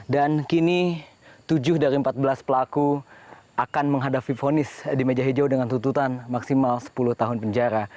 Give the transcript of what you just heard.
dan kini tujuh dari empat belas pelaku akan menghadapi ponis di meja hijau dengan tututan maksimal sepuluh tahun penjara